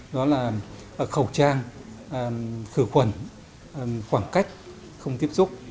đó là khẩu trang khử khuẩn khoảng cách không tiếp xúc